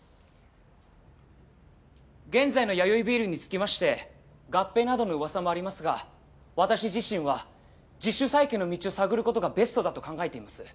現在の弥生ビールにつきまして合併などの噂もありますが私自身は自主再建の道を探る事がベストだと考えています。